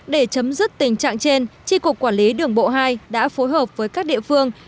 để chấm dứt tình trạng trên tri cục quản lý đường bộ hai đã phối hợp với các địa phương